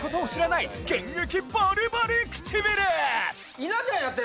稲ちゃんやって。